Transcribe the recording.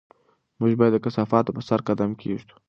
موږ باید د کثافاتو په سر قدم کېږدو.